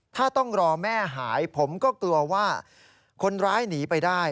ถ้าต้องรอแม่หายผมก็กลัวว่าคนร้ายหนีไปได้